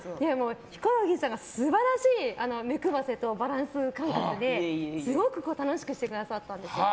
ヒコロヒーさんが素晴らしい目配せとバランス感覚ですごく楽しくしてくださったんですよ。